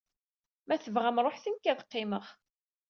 Ma tebɣam ruḥet, nek ad qqimeɣ.